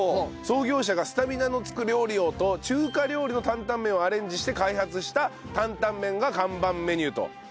創業者がスタミナのつく料理をと中華料理の担々麺をアレンジして開発したタンタンメンが看板メニューと。